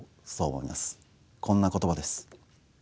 こんな言葉です。